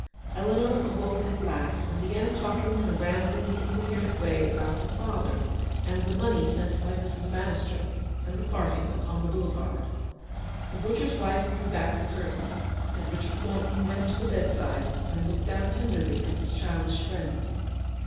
Eleanor awoke at last, and began talking in a rambling, incoherent way about her father, and the money sent by Mrs. Bannister, and the part ing upon the Boulevard. The butcher's wife drew back the curtain, and Richard Thornton went to the bedside and looked down tenderly at his childish friend.